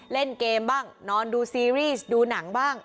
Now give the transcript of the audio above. เล่นเกมบ้างนอนดูซีรีส์ดูหนังบ้าง